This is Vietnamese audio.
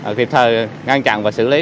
kịp thời ngăn chặn và xử lý